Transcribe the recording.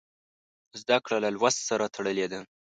زده کړه له لوست سره تړلې ده.